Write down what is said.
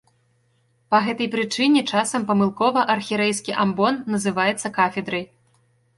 Па гэтай прычыне часам памылкова архірэйскі амбон называецца кафедрай.